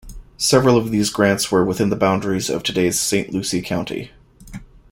Several of these grants were within the boundaries of today's Saint Lucie County.